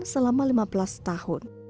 selama lima belas tahun